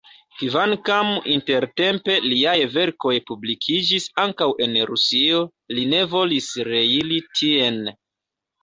Kvankam intertempe liaj verkoj publikiĝis ankaŭ en Rusio, li ne volis reiri tien.